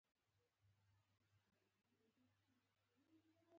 د سیمو ترمنځ د توکو انتقال هم مالیه درلوده.